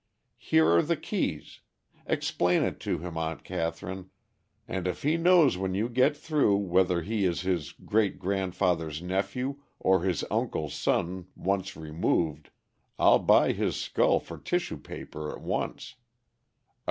Here are the keys. Explain it to him, Aunt Catherine, and if he knows when you get through whether he is his great grandfather's nephew or his uncle's son once removed, I'll buy his skull for tissue paper at once.